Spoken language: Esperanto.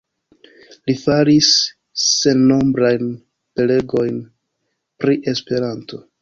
Li faris sennombrajn prelegojn pri Esperanto.